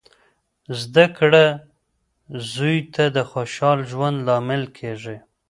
زده کړه زوی ته د خوشخاله ژوند لامل کیږي.